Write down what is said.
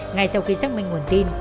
ngày sau khi xác minh nguồn tin